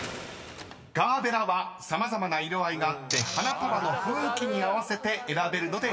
［「ガーベラ」は様々な色合いがあって花束の雰囲気に合わせて選べるので人気］